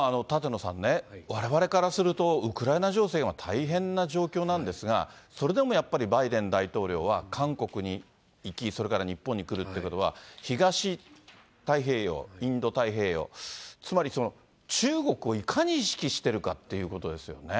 舘野さんね、われわれからすると、ウクライナ情勢が今、大変な状況なんですが、それでもやっぱり、バイデン大統領は韓国に行き、それから日本に来るってことは、東太平洋、インド太平洋、つまり中国をいかに意識してるかっていうことですよね。